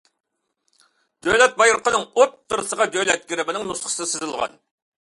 دۆلەت بايرىقىنىڭ ئوتتۇرىسىغا دۆلەت گېربىنىڭ نۇسخىسى سىزىلغان.